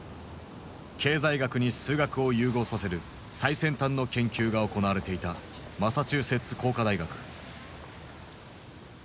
経済学に数学を融合させる最先端の研究が行われていたマサチューセッツ工科大学。